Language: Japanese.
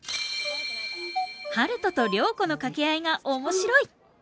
春風と涼子の掛け合いが面白い！